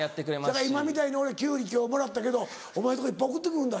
今みたいに俺キュウリ今日もらったけどお前のとこいっぱい送って来るんだ